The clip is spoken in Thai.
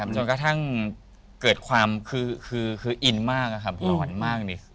จนกระทั่งเกิดความคืออินมากหล่อนมาก